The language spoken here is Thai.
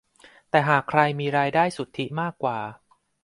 แต่หากใครมีรายได้สุทธิมากกว่า